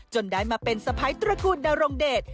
ได้มาเป็นสะพ้ายตระกูลนรงเดช